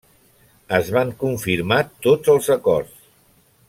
Es van confirmar tots els acords.